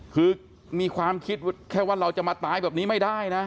คือมีความคิดแค่ว่าเราจะมาตายแบบนี้ไม่ได้นะ